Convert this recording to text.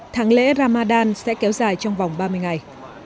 tháng lễ ramadan sẽ kéo dài trong vòng ba mươi ngày